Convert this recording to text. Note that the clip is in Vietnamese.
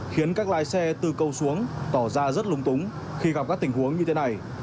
khiến các lái xe từ câu xuống tỏ ra rất lung túng khi gặp các tình huống như thế này